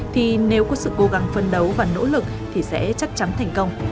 thì nếu có sự cố gắng phân đấu và nỗ lực thì sẽ chắc chắn thành công